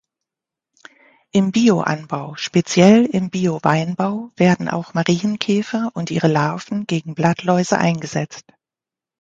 Im Bio-Anbau, speziell im Bio-Weinbau, werden auch Marienkäfer und ihre Larven gegen Blattläuse eingesetzt.